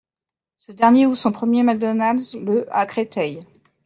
Ce dernier ouvre son premier McDonald's le à Créteil.